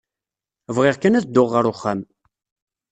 Bɣiɣ kan ad dduɣ ɣer uxxam.